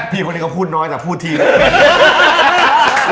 พี่คนนี้ก็พูดน้อยแต่พูดทีเลย